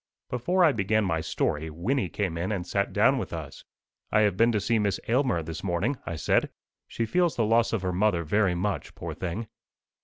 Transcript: Before I began my story, Wynnie came in and sat down with us. "I have been to see Miss Aylmer, this morning," I said. "She feels the loss of her mother very much, poor thing."